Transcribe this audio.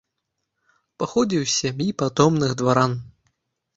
Паходзіў з сям'і патомных дваран.